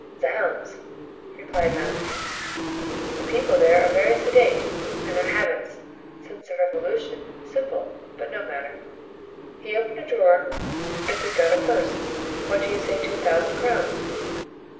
"Zounds!" replied Mazarin, "the people there are very sedate, and their habits, since the revolution, simple; but no matter." He opened a drawer and took out a purse. "What do you say to a thousand crowns?"